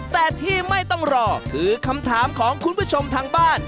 แต่ที่ไม่ต้องรอคือคำถามของคุณผู้ชมทางบ้าน